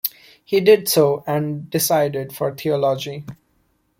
He did so, and decided for theology.